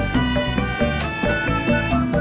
jangan lupa subscribe channel ini